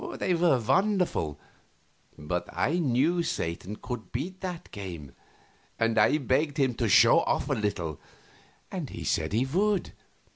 They were wonderful, but I knew Satan could beat that game, and I begged him to show off a little, and he said he would.